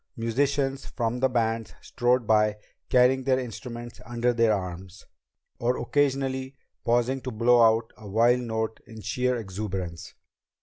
Musicians from the bands strode by carrying their instruments under their arms, or occasionally pausing to blow out a wild note in sheer exuberance.